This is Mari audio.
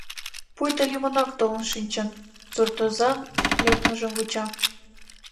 Пуйто лӱмынак толын шинчын, суртозан лекмыжым вуча.